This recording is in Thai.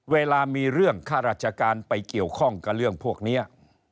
เวลามีเรื่องข้าราชการไปเกี่ยวข้องกับเรื่องพวกนี้